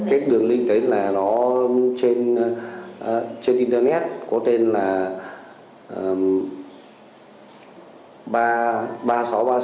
cách đường link đấy là nó trên internet có tên là ba sáu ba sáu tám ba ba sáu com